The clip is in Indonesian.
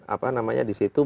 apa namanya disitu